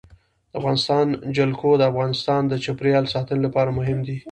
د افغانستان جلکو د افغانستان د چاپیریال ساتنې لپاره مهم دي.